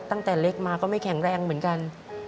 ตั้งแต่เล็กมาก็ไม่แข็งแรงเหมือนกัน